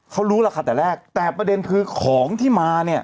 เขารู้ราคาแต่แรกแต่ประเด็นคือของที่มาเนี่ย